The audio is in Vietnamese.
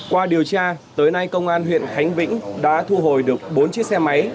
qua điều tra tới nay công an huyện khánh vĩnh đã thu hồi được bốn chiếc xe máy